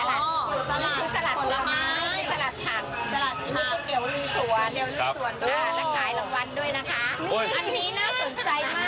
อันนี้เป็นลอตเตอรี่แบบใหม่